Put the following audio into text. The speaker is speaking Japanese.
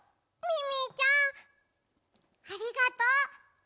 ミミィちゃんありがとう。